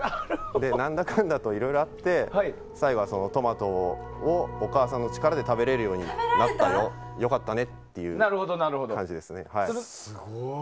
何だかんだといろいろあって最後は、トマトをお母さんの力で食べられるようになったよ良かったねっていう感じですね。